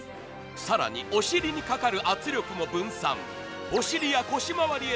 更にお尻にかかる圧力も分散。